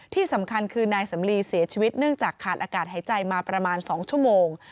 ที่สำคัญคือนายสำลีเสียชีวิตเนื่องจากขาดอากาศหายใจมาประมาณ๒ชั่วโมง